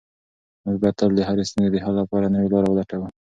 موږ باید تل د هرې ستونزې د حل لپاره نوې لاره ولټوو.